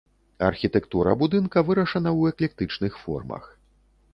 Архітэктура будынка вырашана ў эклектычных формах.